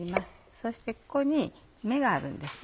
そしてここに芽があるんです。